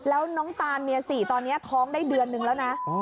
แล้วน้องตานเมีย๔ตอนนี้ท้องได้เดือนนึงแล้วนะ